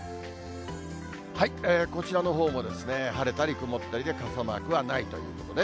こちらのほうも、晴れたり曇ったりで、傘マークはないということで。